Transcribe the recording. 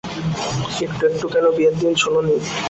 একটু একটু, কেন বিয়ের দিন শোনোনি?